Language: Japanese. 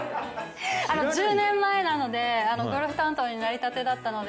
１０年前なのでゴルフ担当になりたてだったので。